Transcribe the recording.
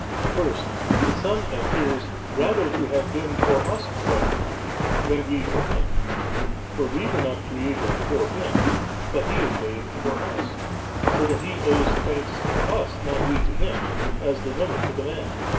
30. First, the Son appears rather to have bttn for us brought to be, than we for Him ; for we were not created for Him, but He is made for us9 ; so that He owes thanks to us, not we to Him, as the woman to the man.